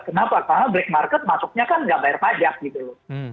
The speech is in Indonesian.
kenapa karena black market masuknya kan nggak bayar pajak gitu loh